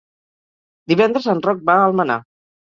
Divendres en Roc va a Almenar.